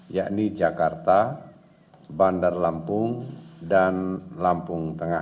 yakni jakarta bandar lampung dan lampung tengah